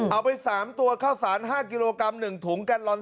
เอาไป๓ตัวข้าวสาร๕กิโลกรัม๑ถุงแกนลอน